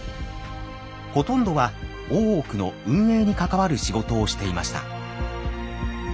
ほとんどは大奥の運営に関わる仕事をしていました。